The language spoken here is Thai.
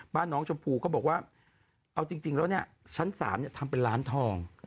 บ้านน้องชมพู่ก็บอกว่าเอาจริงแล้วเนี่ยชั้น๓ทำเป็นร้านทอง